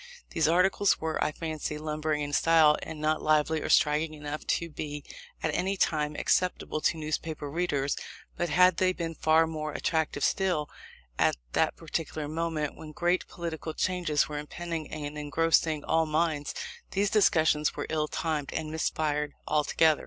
These articles, were, I fancy, lumbering in style, and not lively or striking enough to be, at any time, acceptable to newspaper readers; but had they been far more attractive, still, at that particular moment, when great political changes were impending, and engrossing all minds, these discussions were ill timed, and missed fire altogether.